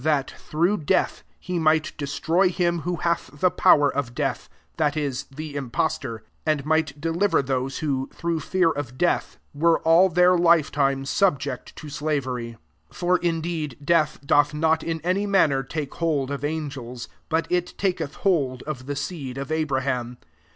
that through death he might destroy him who hath the pow er of death, that is, the impos tor ;* 15 and might deliver those who, through fear of death, were all their lifetime subject to slavery. 16 For indeed death .doth not in any manner take hold of an gels ; but it taketh hold of the seed of Abraham.